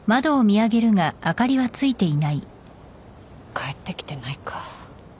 帰ってきてないか。